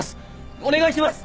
お願いします！